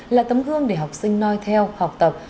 là tấm gương để học sinh nói theo học tập